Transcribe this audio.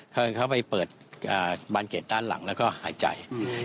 เขาไปเปิดบานเกรดด้านหลังแล้วก็หายใจ